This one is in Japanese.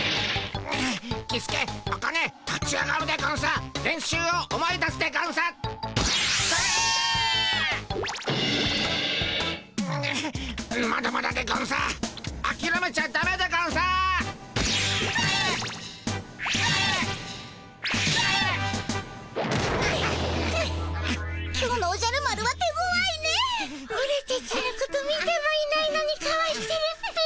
オラたちのこと見てもいないのにかわしてるっピィ。